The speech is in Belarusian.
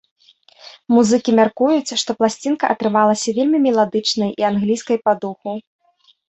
Музыкі мяркуюць, што пласцінка атрымалася вельмі меладычнай і англійскай па духу.